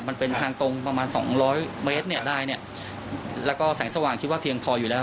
มันเป็นทางตรงประมาณสองร้อยเมตรเนี่ยได้เนี่ยแล้วก็แสงสว่างคิดว่าเพียงพออยู่แล้ว